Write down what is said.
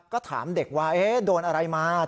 ก็ถามเด็กว่าโดนอะไรมา